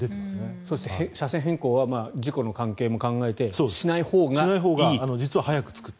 そして、車線変更は事故の関係も考えてしないほうがいい。